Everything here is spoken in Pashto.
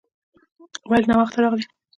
ولې ناوخته راغلې ؟